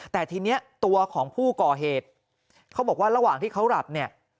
แต่ทีนี้ตัวของผู้ก่อเหตุเขาบอกว่าระหว่างที่เขาหลับเนี่ย